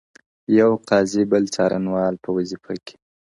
• یو قاضي بل څارنوال په وظیفه کي..